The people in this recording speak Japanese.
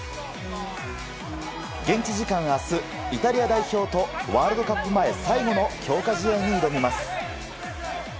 現地時間あす、イタリア代表とワールドカップ前最後の強化試合に挑みます。